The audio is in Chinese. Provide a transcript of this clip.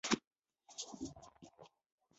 但马从不接触溪木贼。